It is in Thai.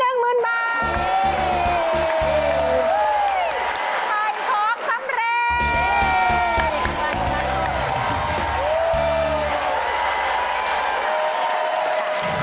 ผ่านของสำเร็จ